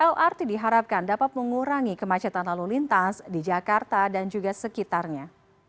lrt diharapkan dapat mengurangi kemacetan lalu lintas di jakarta dan juga sekitarnya